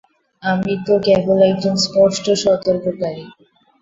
আমি তো কেবল একজন স্পষ্ট সতর্ককারী।